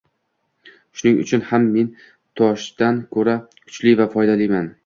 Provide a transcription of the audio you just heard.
Shuning uchun ham men toshdan ko‘ra kuchli va foydaliman